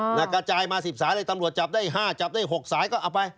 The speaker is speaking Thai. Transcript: กระจายมา๑๐สายเลยตำรวจจับได้๕จับได้๖สายก็เอาไป